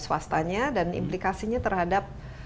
swastanya dan implikasinya terhadap